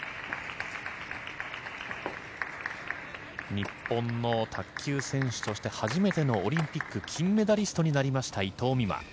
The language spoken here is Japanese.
日本の卓球選手として初めてのオリンピック金メダリストになりました、伊藤美誠。